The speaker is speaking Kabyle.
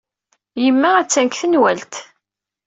Yemma attan deg tenwalt.